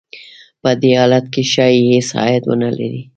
په دې حالت کې ښايي هېڅ عاید ونه لري